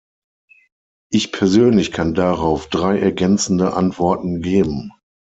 Ich persönlich kann darauf drei ergänzende Antworten geben.